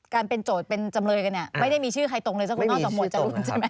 การเป็นโจทย์เป็นจำเลยกันเนี่ยไม่ได้มีชื่อใครตรงเลยสักคนนอกจากหมวดจรูนใช่ไหม